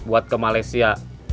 buat ke malaysia